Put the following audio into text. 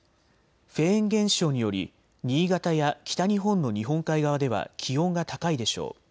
フェーン現象により新潟や北日本の日本海側では気温が高いでしょう。